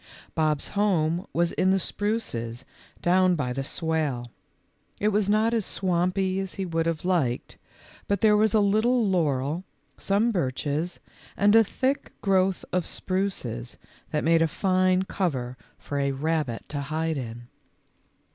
Bob's home was in the spruces down by the swale. It was not as swainpy as he would have liked, but there was a little laurel, some birches, and a thick growth of spruces that made a fine cover for a rabbit to hide in.